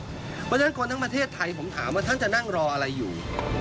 เพราะฉะนั้นคนทั้งประเทศไทยผมถามว่าท่านจะนั่งรออะไรอยู่